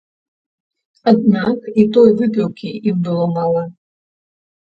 Аднак і той выпіўкі ім было мала.